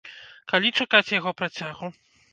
Калі чакаць яго працягу?